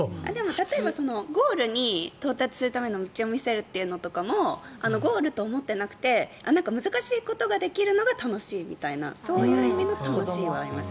例えばゴールにたどり着くための道を見せるというのもゴールと思っていなくてなんか難しいことができるのが楽しいみたいなそういう意味の楽しいはあります。